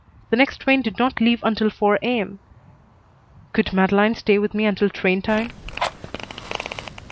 The next train did not leave until 4 A.M. Could Madeleine stay with me until train time?